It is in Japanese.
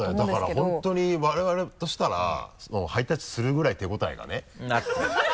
そうだよだから本当に我々としたらハイタッチするぐらい手応えがねなるほど。